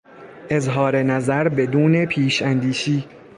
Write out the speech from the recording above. اظهار نظر بدون پیشاندیشی